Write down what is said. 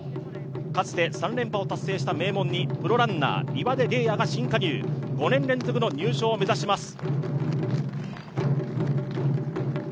かつて３連覇を達成した名門に、プロランナー、岩出玲亜が新加入、５年連続の入賞を目指します。